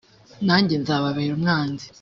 nanjye nzababera umwanzi